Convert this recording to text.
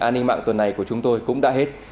an ninh mạng tuần này của chúng tôi cũng đã hết